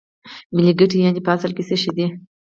ملي ګټې یانې په اصل کې څه شی دي